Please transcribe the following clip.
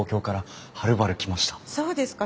そうですか。